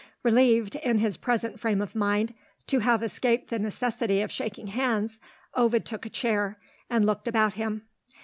Relieved, in his present frame of mind, to have escaped the necessity of shaking hands, Ovid took a chair, and looked about him.